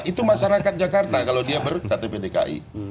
itu masyarakat jakarta kalau dia berktptki